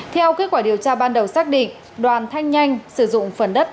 theo kết quả điều tra ban đầu xác định đoàn thanh nhanh sử dụng phần đất